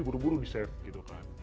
buru buru diset gitu kan